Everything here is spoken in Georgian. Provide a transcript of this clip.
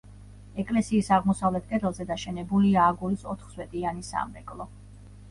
ეკლესიის აღმოსავლეთ კედელზე დაშენებულია აგურის ოთხსვეტიანი სამრეკლო.